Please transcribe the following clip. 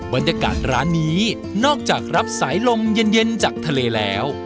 บรรยากาศร้านนี้นอกจากรับสายลมเย็นจากทะเลแล้ว